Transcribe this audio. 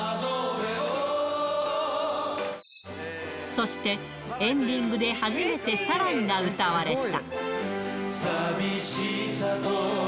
そして、エンディングで初めてサライが歌われた。